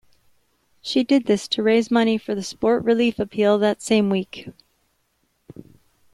She did this to raise money for the Sport Relief appeal that same week.